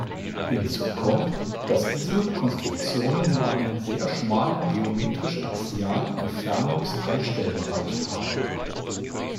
Hinzu kommt, dass diese Konstruktionen nur einen sehr schmalen geometrisch axialen Entfernungs-Einstellbereich haben.